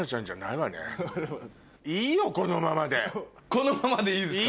このままでいいですか？